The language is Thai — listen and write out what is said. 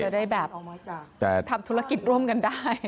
ได้แบบทำธุรกิจร่วมกันได้